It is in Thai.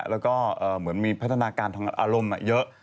แล้วก็เหมือนมีพัฒนาการทางอารมณ์เยอะ